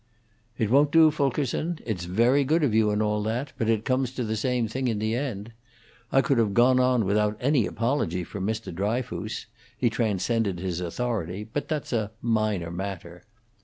"It won't do, Fulkerson. It's very good of you, and all that, but it comes to the same thing in the end. I could have gone on without any apology from Mr. Dryfoos; he transcended his authority, but that's a minor matter.